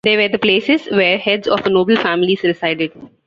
They were the places where heads of a noble families resided.